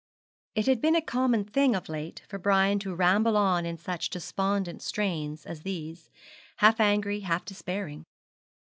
It had been a common thing of late for Brian to ramble on in such despondent strains as these, half angry, half despairing.